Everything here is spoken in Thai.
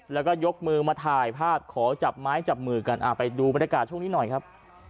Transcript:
แล้วก็ยกมือมาถ่ายภาพขอจับไม้จับมือกันไปดูบรรยากาศช่วงนี้หน่อยครับ